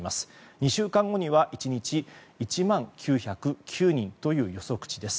２週間後には１日１万９０９人という予測値です。